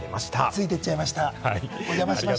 ついて行っちゃいました！